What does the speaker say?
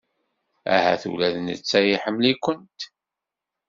Ahat ula d netta iḥemmel-ikent.